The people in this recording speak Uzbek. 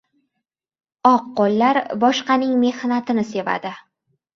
• Oq qo‘llar boshqaning mehnatini sevadi.